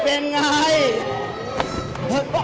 เป็นไงเป็นไง